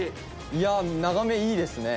いや眺めいいですね。